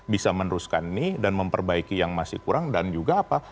bisa meneruskan ini dan memperbaiki yang masih kurang dan juga apa